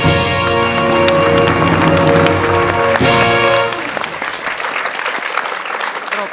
สวัสดีครับ